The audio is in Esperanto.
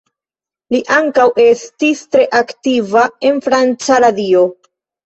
Li ankaŭ estis tre aktiva en franca radio.